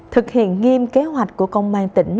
thực hiện nghiêm kế hoạch của công an tỉnh